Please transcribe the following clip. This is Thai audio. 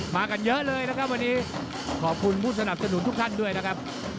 มากันเยอะเลยนะครับวันนี้ขอบคุณผู้สนับสนุนทุกท่านด้วยนะครับ